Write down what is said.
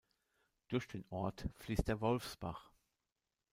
Durch den Ort fließt der Wolfsbach.